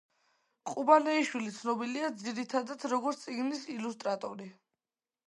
ყუბანეიშვილი ცნობილია ძირითადად როგორც წიგნის ილუსტრატორი.